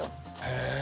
へえ！